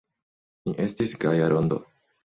Ni estis gaja rondo.